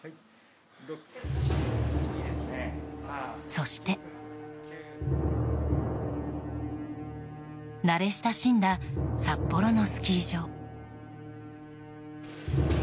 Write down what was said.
そして、慣れ親しんだ札幌のスキー場。